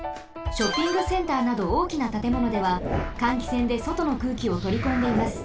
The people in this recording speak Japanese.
ショッピングセンターなどおおきなたてものでは換気扇でそとの空気をとりこんでいます。